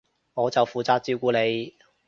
我就負責照顧你